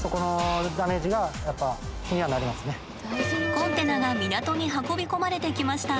コンテナが港に運び込まれてきました。